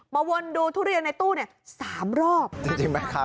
มาวนดูทุเรียนในตู้ละสามรอบจริงคะ